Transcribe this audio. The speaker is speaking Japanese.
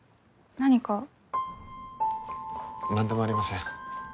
何でもありません。